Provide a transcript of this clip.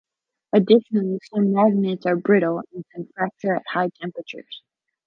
Additionally, some magnets are brittle and can fracture at high temperatures.